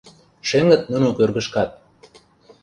Шеҥыт нуно кӧргышкат.